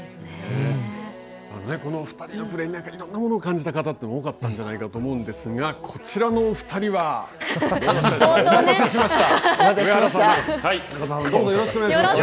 この２人のプレーにいろんなものを感じた方も多かったんじゃないかと思うんですがこちらのお二人はお待たせしました。